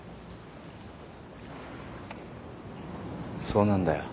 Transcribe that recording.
そうなんだよ。